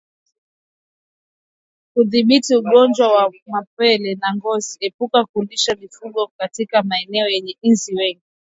Kudhibiti ugonjwa wa mapele ya ngozi epuka kulishia mifugo katika maeneo yenye inzi wengi